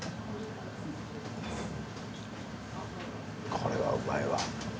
これはうまいわ。